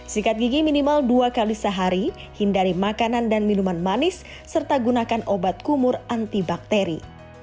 sikat gigi minimal dua kali sehari hindari makanan dan minuman manis serta gunakan obat kumur antibakteri